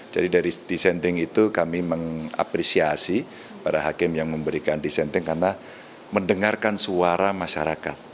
jadi dari dissenting itu kami mengapresiasi para hakim yang memberikan dissenting karena mendengarkan suara masyarakat